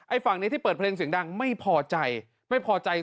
ไอ้ฝั่งนี้ที่เปิดเพลงเสียงดังไม่พอใจ